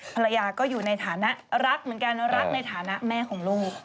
ภรรยาก็อยู่ในฐานะรักเหมือนกันรักในฐานะแม่ของลูก